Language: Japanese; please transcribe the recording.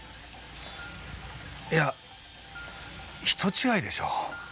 いや人違いでしょう。